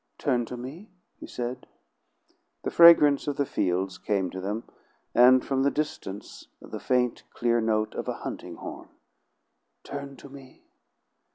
"Turn to me," he said. The fragrance of the fields came to them, and from the distance the faint, clear note of a hunting horn. "Turn to me."